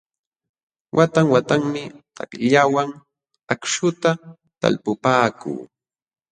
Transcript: Watan watanmi takllawan akśhuta talpupaakuu.